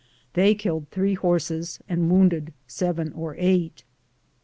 They killed three horses and wounded seven or eight.